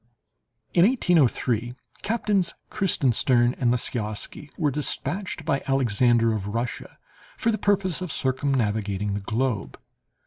In 1803, Captains Kreutzenstern and Lisiausky were dispatched by Alexander of Russia for the purpose of circumnavigating the globe.